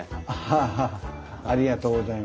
はあありがとうございます。